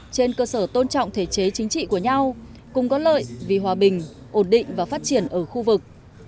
trên cơ sở tôn trọng thể chế chính trị của nhau cùng có lợi vì hòa bình ổn định và phát triển ở khu vực